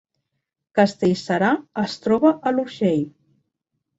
Castellserà es troba a l’Urgell